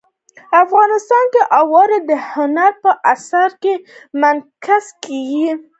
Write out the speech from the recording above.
افغانستان کې اوړي د هنر په اثار کې منعکس کېږي.